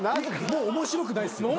もう面白くないっすよ。